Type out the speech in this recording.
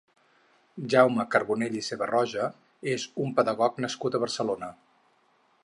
Jaume Carbonell i Sebarroja és un pedagog nascut a Barcelona.